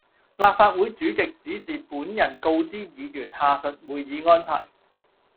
立法會主席指示本人告知議員下述會議安排